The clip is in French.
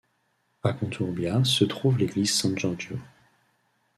À Conturbia se trouve l'église San Giorgio.